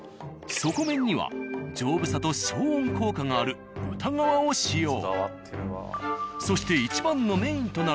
底面には丈夫さと消音効果がある豚革を使用。